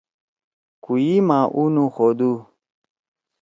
کُوئی ما اُو نُخودُو۔